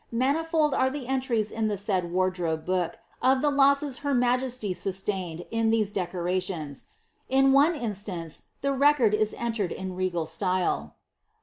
Manifold are the entries in the aid wardrobe book, of the losses her majesty sustained in these deco lations ; in one instance the record is entered in res^l style.